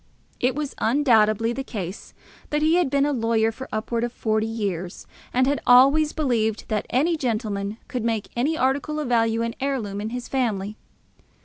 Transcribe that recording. It was undoubtedly the case that he had been a lawyer for upwards of forty years, and had always believed that any gentleman could make any article of value an heirloom in his family.